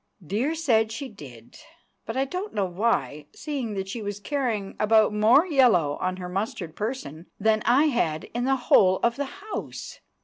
Dear said she did. But I don't know why, seeing that she was carrying about more yellow on her mustard person than I had in the whole of the house!